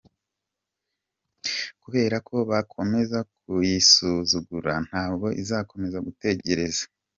Kubera ko bakomeza kuyisuzugura, ntabwo izakomeza gutegereza.